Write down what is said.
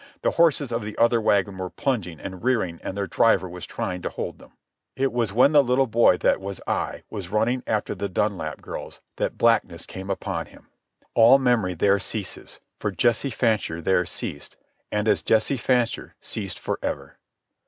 The horses of the other wagon were plunging and rearing and their driver was trying to hold them. It was when the little boy that was I was running after the Dunlap girls that blackness came upon him. All memory there ceases, for Jesse Fancher there ceased, and, as Jesse Fancher, ceased for ever.